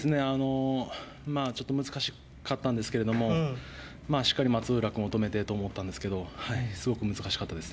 ちょっと難しかったんですけれど、しっかり松浦くんを止めてと思ったんですけれども、すごく難しかったです。